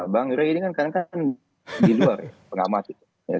bang rai ini kan kadang kadang di luar pengamati